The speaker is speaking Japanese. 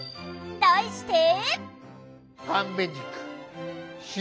題して。